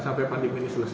sampai pandemi ini selesai